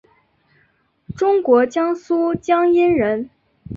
中国江苏江阴人。